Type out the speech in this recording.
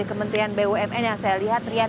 kementerian bumn yang saya lihat rian